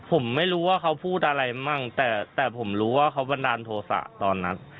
ผมไม่รู้ว่าเขาพูดอะไรมั่งแต่แต่ผมรู้ว่าเขาบันดาลโทษะตอนนั้น